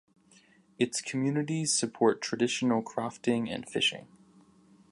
Its communities support traditional crofting and fishing.